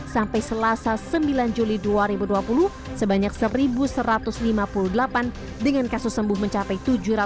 sampai selasa sembilan juli dua ribu dua puluh sebanyak satu satu ratus lima puluh delapan dengan kasus sembuh mencapai tujuh ratus tiga puluh